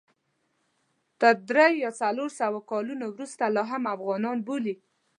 تر درې یا څلور سوه کلونو وروسته لا هم افغانان بولي.